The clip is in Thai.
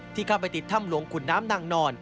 ที่เข้าไปติดถ้ำหลวงขุนน้ำนางนอน